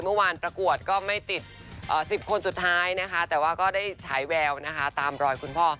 เมื่อวานประกวดก็ไม่ติด๑๐คนสุดท้ายนะคะแต่ว่าก็ได้ฉายแววนะคะตามรอยคุณพ่อ